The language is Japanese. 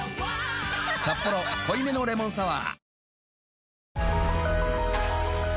「サッポロ濃いめのレモンサワー」